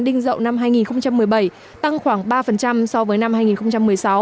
đinh dậu năm hai nghìn một mươi bảy tăng khoảng ba so với năm hai nghìn một mươi sáu